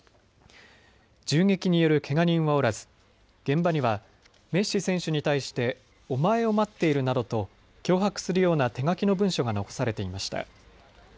銃撃によるけが人はおらず現場にはメッシ選手に対してお前を待っているなどと脅迫するような手書きの文書が残されていました。